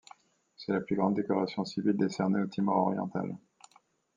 C'est la plus grande décoration civile décernée au Timor oriental.